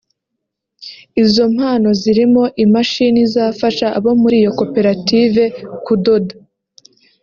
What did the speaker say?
Izo mpano zirimo imashini izafasha abo muri iyo koperative kudoda